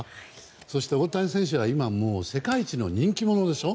そして、大谷選手は今、世界一の人気者でしょ。